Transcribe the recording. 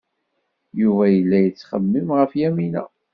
Yuba yella yettxemmim ɣef Yamina.